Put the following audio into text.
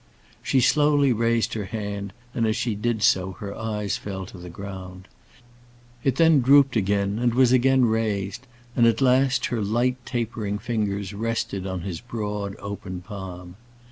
She slowly raised her hand, and, as she did so, her eyes fell to the ground. It then drooped again, and was again raised; and, at last, her light tapering fingers rested on his broad open palm.